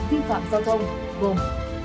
vi phạm giao thông gồm